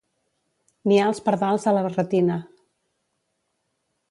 Niar els pardals a la barretina.